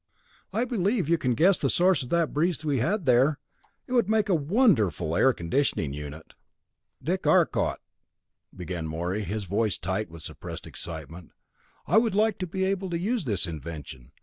"I believe you can guess the source of that breeze we had there? It would make a wonderful air conditioning unit." "Dick Arcot," began Morey, his voice tight with suppressed excitement, "I would like to be able to use this invention.